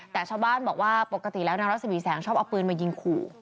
แต่ชาวบ้านบอกว่าปกติแล้วนางรัศมีแสงชอบเอาปืนมายิงขู่